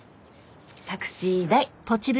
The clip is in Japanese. タクシー代。